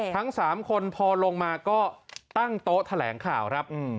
ทั้ง๓คนพอลงมาก็ตั้งโต๊ะแถลงข่าวครับ